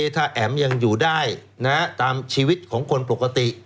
ถ้าแอ๋มยังอยู่ได้ตามชีวิตของคนปกติ